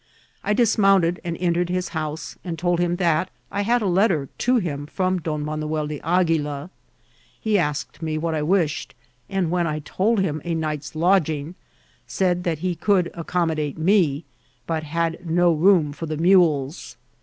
I dismounted and entered his house, and told him that I had a letter to him from Don Manael de Aguila. He asked me what I wished, and when I told him a night's lodging, said that he could accommodate me, but had no room for the mules.